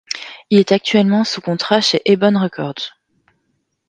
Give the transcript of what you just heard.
Il est actuellement sous contrat chez Eibon Records.